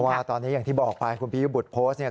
ว่าตอนนี้อย่างที่บอกไปคุณปียบุตรโพสต์เนี่ย